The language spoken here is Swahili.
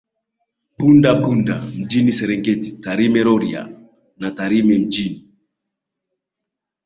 Bunda Bunda Mjini Serengeti Tarime Rorya na Tarime Mjini